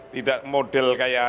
tidak model kayak